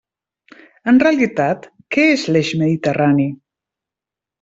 En realitat, ¿què és l'eix mediterrani?